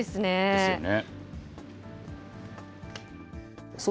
ですよね。